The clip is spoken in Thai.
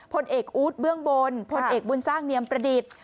พลเอกอู๊ดเบื้องบนพลเอกบุญสร้างเนียมประดิษฐ์